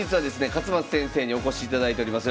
勝又先生にお越しいただいております。